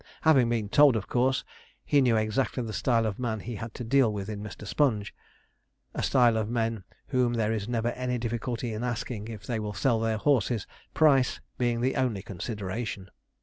Having been told, of course he knew exactly the style of man he had to deal with in Mr. Sponge a style of men of whom there is never any difficulty in asking if they will sell their horses, price being the only consideration.